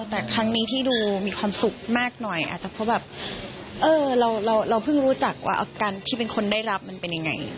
แต่ครั้งนี้ที่ดูมีความสุขมากหน่อยอาจจะเพราะแบบเออเราเพิ่งรู้จักว่าอาการที่เป็นคนได้รับมันเป็นยังไง